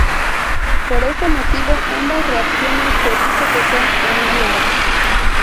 Por este motivo ambas reacciones se dice que son análogas.